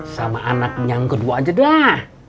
sama anak yang kedua aja dah